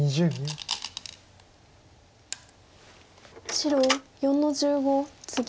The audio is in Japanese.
白４の十五ツギ。